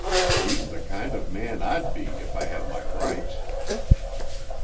He's the kind of a man I'd be if I had my rights."